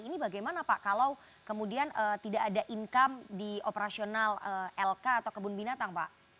ini bagaimana pak kalau kemudian tidak ada income di operasional lk atau kebun binatang pak